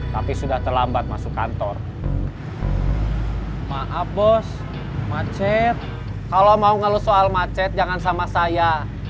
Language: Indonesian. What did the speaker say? tapi sudah terlambat masuk kantor maaf bos macet kalau mau ngeluh soal macet jangan sama saya